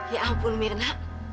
ya ampun mirna